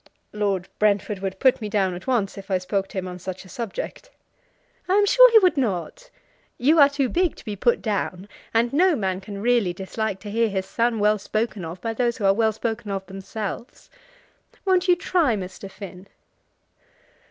"Lord Brentford would put me down at once if I spoke to him on such a subject." "I am sure he would not. You are too big to be put down, and no man can really dislike to hear his son well spoken of by those who are well spoken of themselves. Won't you try, Mr. Finn?"